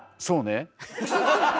そうね！